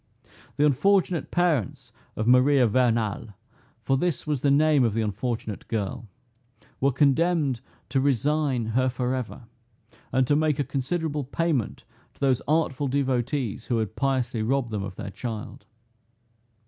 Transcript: The unfortunate parents of Maria Vernal (for this was the name of the unfortunate girl) were condemned to resign her forever, and to make a considerable payment to those artful devotees who had piously robbed them of their child.